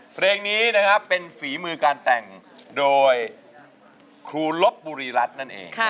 เพลงนี้นะครับเป็นฝีมือการแต่งโดยครูลบบุรีรัฐนั่นเอง